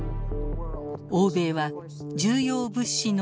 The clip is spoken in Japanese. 欧米は重要物資の脱